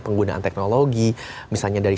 penggunaan teknologi misalnya dari